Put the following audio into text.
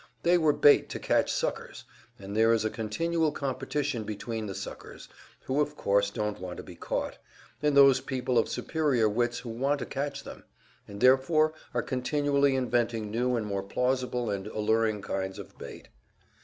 They were bait to catch suckers; and there is a continual competition between the suckers, who of course don't want to be caught, and those people of superior wits who want to catch them, and therefore are continually inventing new and more plausible and alluring kinds of bait.